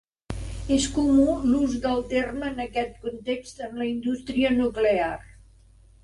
És comú l'ús del terme en aquest context en la indústria nuclear.